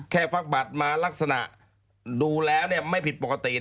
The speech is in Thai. แค่ฟักบัตรมาลักษณะดูไม่ผิดปกติ